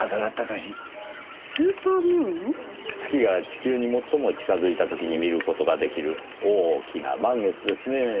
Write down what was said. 月が地球に最も近づいた時に見る事が出来る大きな満月ですねぇ。